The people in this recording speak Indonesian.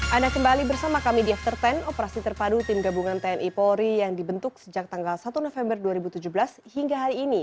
anda kembali bersama kami di after sepuluh operasi terpadu tim gabungan tni polri yang dibentuk sejak tanggal satu november dua ribu tujuh belas hingga hari ini